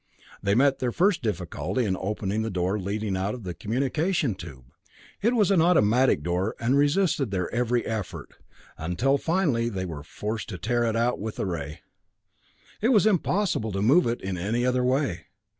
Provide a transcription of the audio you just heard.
They met their first difficulty in opening the door leading out of the communication tube. It was an automatic door, and resisted their every effort until finally they were forced to tear it out with a ray. It was impossible to move it in any other way.